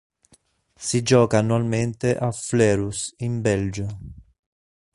Si gioca annualmente a Fleurus in Belgio.